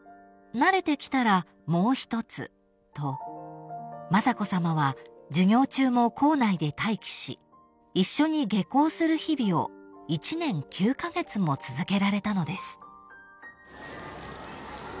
［慣れてきたらもう一つと雅子さまは授業中も校内で待機し一緒に下校する日々を１年９カ月も続けられたのです］